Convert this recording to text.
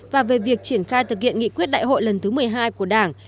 và về việc triển khai thực hiện nghị quyết đại hội lần thứ một mươi hai của đảng